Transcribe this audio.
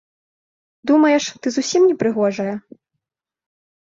Думаеш, ты зусім непрыгожая?